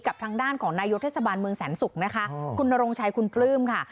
กับทางด้านของนายกเทศบาลเมืองแสนศุกร์นะคะคุณนรงชัยคุณปลื้มค่ะ